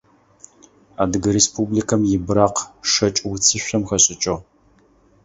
Адыгэ Республикэм и быракъ шэкӏ уцышъом хэшӏыкӏыгъ.